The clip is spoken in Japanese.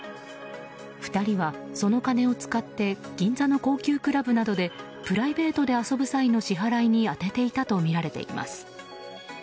２人はその金を使って銀座の高級クラブなどでプライベートで遊ぶ際の支払いに充てていたとみられています。